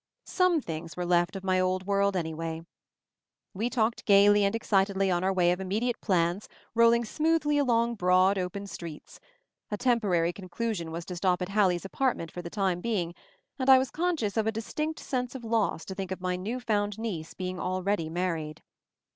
Some things were left of my old world anyway. We talked gaily and excitedly on our way of immediate plans, rolling smoothly along broad, open streets. A temporary conclu sion was to stop at Hallie's apartment for the time being ; and I was conscious of a dis tinct sense of loss to think of my new found niece being already married.